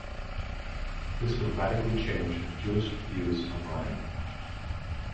This would radically change Jewish views on lying.